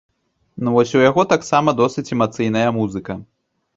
Ну, вось у яго таксама досыць эмацыйная музыка.